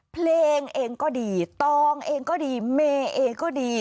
เพลงเองก็ดีตองเองก็ดีเมย์เองก็ดี